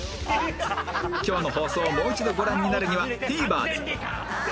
今日の放送をもう一度ご覧になるには ＴＶｅｒ で